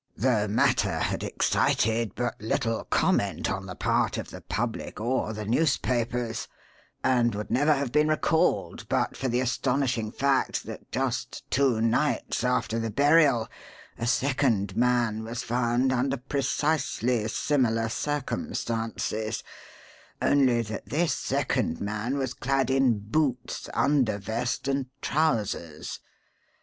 The matter had excited but little comment on the part of the public or the newspapers, and would never have been recalled but for the astonishing fact that just two nights after the burial a second man was found under precisely similar circumstances only that this second man was clad in boots, undervest, and trousers.